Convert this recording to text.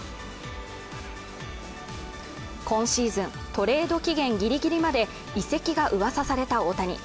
今シーズン、トレード期限ギリギリまで移籍がうわさされた大谷。